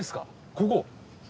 ここ？